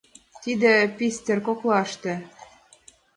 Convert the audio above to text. Тиде пистер коклаште